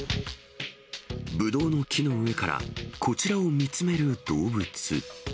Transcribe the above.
ぶどうの木の上からこちらを見つめる動物。